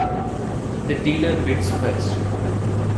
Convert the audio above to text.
The dealer bids first.